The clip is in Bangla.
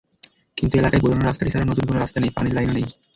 কিন্তু এলাকায় পুরোনো রাস্তাটি ছাড়া নতুন কোনো রাস্তা নেই, পানির লাইনও নেই।